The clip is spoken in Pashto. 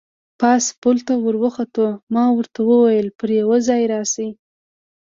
پاس پل ته ور وخوتو، ما ورته وویل: پر یوه ځای راشئ.